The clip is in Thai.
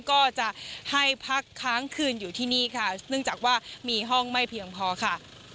ก็จะให้พักค้างคืนอยู่ที่นี่ค่ะเนื่องจากว่ามีห้องไม่เพียงพอค่ะ